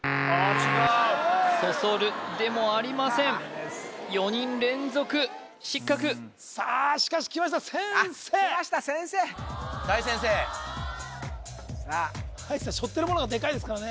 違うそそるでもありませんさあしかしきました先生あっきました先生大先生葉一さんしょってるものがデカいですからね